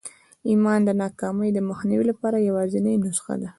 ایمان د ناکامۍ د مخنیوي لپاره یوازېنۍ نسخه ده